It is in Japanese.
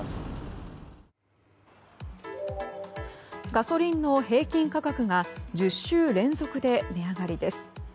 ガソリンの平均価格が１０週連続で値上がりです。